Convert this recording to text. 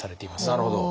なるほど。